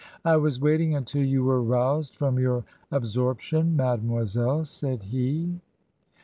" I was waiting until you were roused from your ab sorption, mademoiselle," said he.